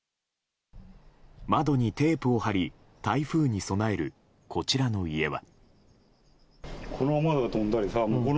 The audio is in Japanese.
窓にテープを貼り台風に備える、こちらの家は。